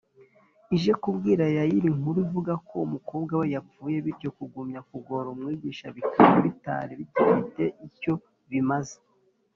ije kubwira yayiro inkuru ivuga ko umukobwa we yapfuye, bityo kugumya kugora umwigisha bikaba bitari bigifite icyo bimaze